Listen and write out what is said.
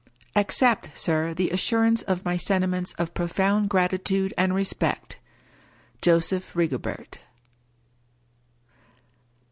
Accept, sir, the assurance of my sentiments of profound gratitude and respect. Joseph Rigobert.